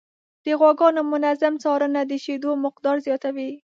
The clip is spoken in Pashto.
د غواګانو منظم څارنه د شیدو مقدار زیاتوي.